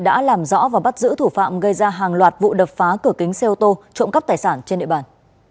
đã làm rõ và bắt giữ thủ phạm gây ra hàng loạt vụ đập phá cửa kính xe ô tô trộm cắp tài sản trên địa bàn